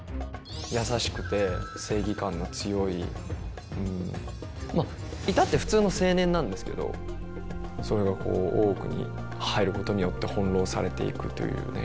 優しくて正義感の強いまあ至って普通の青年なんですけどそれがこう大奥に入ることによって翻弄されていくというね。